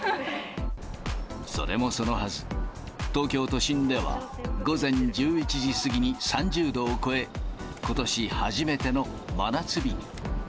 それもそのはず、東京都心では、午前１１時過ぎに３０度を超え、ことし初めての真夏日に。